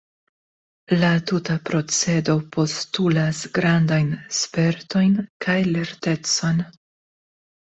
La tuta procedo postulas grandajn spertojn kaj lertecon.